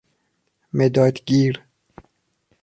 مداد گیر